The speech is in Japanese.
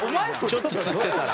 ちょっとつってたら。